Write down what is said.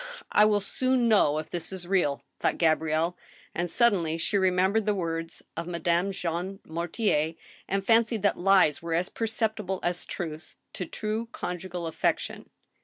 I will soon know if this is real !" thought Gabrielle, and suddenly she remembered the words of Madame Jean Mortier, and fancied that lies were as perceptible as truths to true conji^al affec tion.